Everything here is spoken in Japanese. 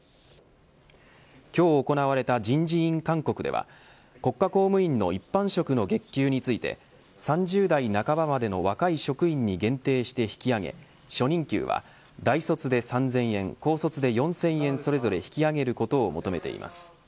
今日行われた人事院勧告では国家公務員の一般職の月給について３０代半ばまでの若い職員に限定して引き上げ初任給は、大卒で３０００円高卒で４０００円、それぞれ引き上げることを求めています。